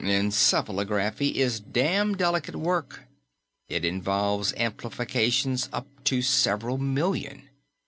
"Encephalography is damn delicate work; it involves amplifications up to several million.